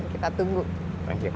kita tunggu hasil karyanya